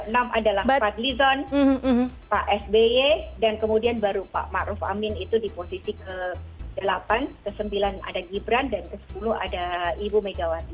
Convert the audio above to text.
dan ke enam adalah pak glizon pak sby dan kemudian baru pak ma'ruf amin itu di posisi ke delapan ke sembilan ada gibran dan ke sepuluh ada ibu megawati